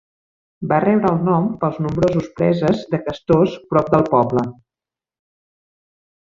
Va rebre el nom pels nombrosos preses de castors prop del poble.